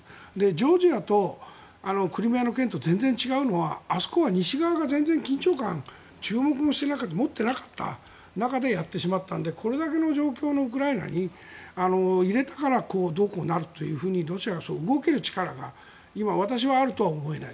ジョージアとクリミアの件と全然違うのはあそこは西側が全然緊張感がある中でやってしまったのでこれだけの状況のウクライナに入れたからどうこうなるというロシアが動ける力が私はあるとは思えない。